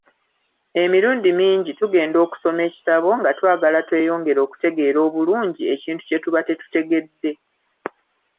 Emirundi mingi tugenda okusoma ekitabo nga twagala tweyongere okutegeera obulungi ekintu kye tuba tetutegedde.